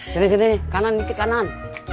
sini sini kanan dikit kanan